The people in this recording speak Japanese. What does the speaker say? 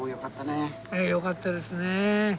ええよかったですねえ。